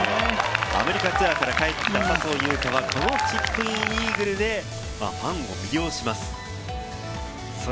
アメリカツアーから帰ってきた笹生優花は、このチップインイーグルでファンを魅了します。